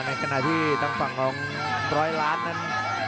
ในขณะที่ทางฝั่งของร้อยล้านนั้น